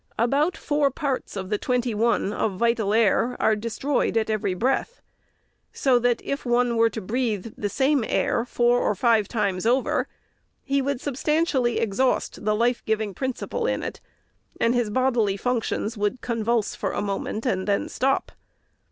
About four parts of the twenty one of vital air are de stroyed at every breath ; so that, if one were to breathe the same air four or five times over, he would substan tially exhaust the life giving principle in it, and his bodily functions would convulse for a moment, and then stop.